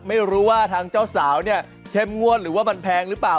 ไม่รู้ว่าทางเจ้าสาวเนี่ยเข้มงวดหรือว่ามันแพงหรือเปล่า